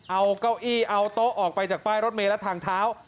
เอาเก้าอี้เอาโต๊ะออกไปจากป้ายรถเมย์และทางเท้า